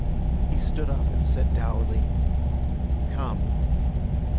He stood up and said dourly: "Come!"